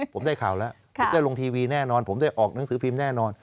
ผมได้ข่าวแล้วผมจะลงทีวีแน่นอนผมได้ออกหนังสือพิมพ์แน่นอน